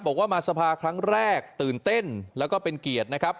บอกว่ามาสภาครั้งแรกตื่นเต้นแล้วก็เป็นเกียรตินะครับ